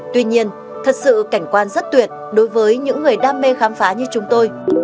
tuy nhiên thật sự cảnh quan rất tuyệt đối với những người đam mê khám phá như chúng tôi